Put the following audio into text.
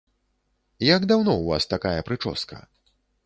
Як даўно ў вас такая прычоска?